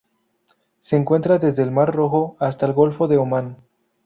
Se encuentra desde el Mar Rojo hasta el Golfo de Omán.